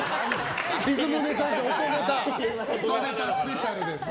音ネタスペシャルですね。